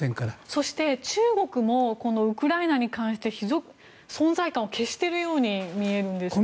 そして、中国もこのウクライナに関して存在感を消しているように見えるんですが。